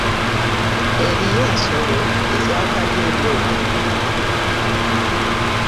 Eriyo ensolo ez'akabi eri omuntu.